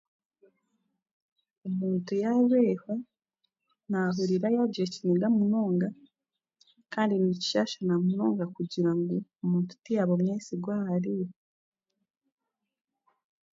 Omuntu y'abeihwa nahurira yagira ekiniga munonga kandi nikishaasha na munonga kugira ngu omuntu tiyaaba omwesigwa ahariwe.